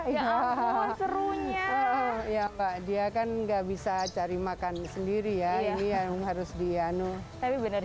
ya ampun serunya ya pak dia kan nggak bisa cari makan sendiri ya ini yang harus diiano tapi bener